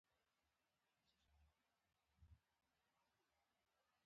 ډيپلومات د نړېوالو اړیکو بنسټ جوړوي.